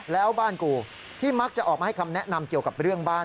แล้วบ้านกูที่มักจะออกมาให้คำแนะนำเกี่ยวกับเรื่องบ้าน